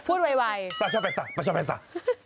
พูดไวปลาช่อนแป๊ะซ้า